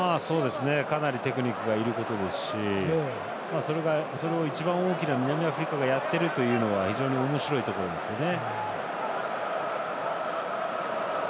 かなりテクニックがいることですしそれを一番大きな南アフリカがやっているというのは非常におもしろいところですね。